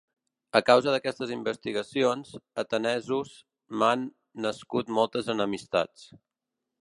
A causa d'aquestes investigacions, atenesos, m'han nascut moltes enemistats.